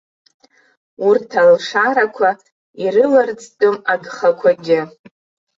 Урҭ алшарақәа ирыларӡтәым агхақәагьы.